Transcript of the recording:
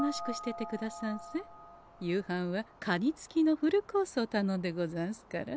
夕飯はカニ付きのフルコースをたのんでござんすから。